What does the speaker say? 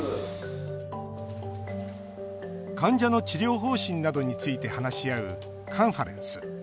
患者の治療方針などについて話し合うカンファレンス。